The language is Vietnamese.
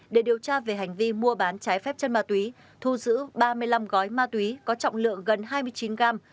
để điều tra về hành vi mua bán trái phép chân ma túy thu giữ ba mươi năm gói ma túy có trọng lượng gần hai mươi chín gram